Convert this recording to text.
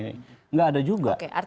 nggak ada juga